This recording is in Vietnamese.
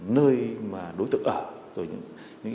nơi mà đối tượng ở